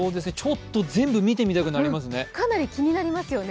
全部見てみたくなりますね。